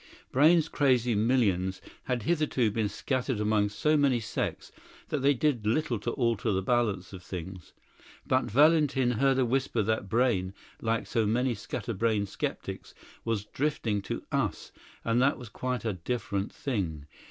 Brayne's crazy millions had hitherto been scattered among so many sects that they did little to alter the balance of things. But Valentin heard a whisper that Brayne, like so many scatter brained sceptics, was drifting to us; and that was quite a different thing.